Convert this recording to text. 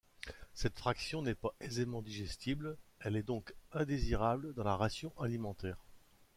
Cette fraction n'est pas aisément digestible, elle est donc indésirable dans la ration alimentaire.